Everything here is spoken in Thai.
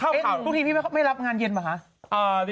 พรุ่งทีพี่ไม่รับงานเย็นเหรอครับ